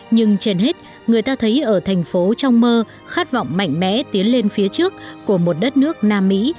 nhưng trên hết người ta thấy ở thành phố trong mơ khát vọng mạnh mẽ tiến lên phía trước của một đất nước nam mỹ